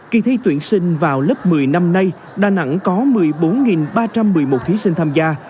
kỳ thi tuyển sinh vào lớp một mươi năm nay đà nẵng có một mươi bốn ba trăm một mươi một thí sinh tham gia